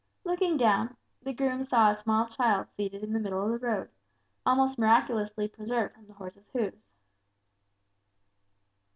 Looking down, the groom saw a small child seated in the middle of the road, almost miraculously preserved from the horse's hoofs.